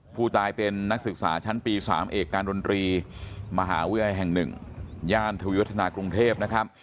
ผู้ตายเป็นนักศึกษาชั้นปี๓เอกการดนตรีมหาวิทยาลัยแห่ง๑ย่านทวีวัฒนากรุงเทพนะครับ